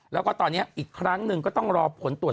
แล้วก็ตอนนี้อีกครั้งหนึ่งก็ต้องรอผลตรวจ